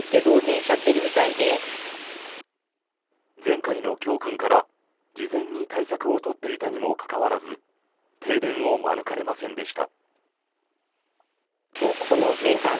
前回の教訓から、事前に対策を取っていたにもかかわらず停電を免れませんでした。